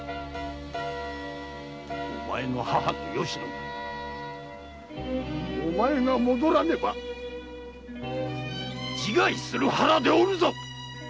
お前の母・よし乃もお前が戻らねば自害する腹でおるぞ！